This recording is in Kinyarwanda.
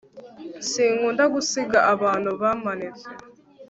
sinkunda gusiga abantu bamanitse